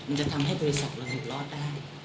มันจะทำให้โทรศัพท์เราหยุดรอดได้